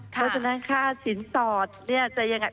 เพราะฉะนั้นค่าสินสอดเนี่ยจะยังไง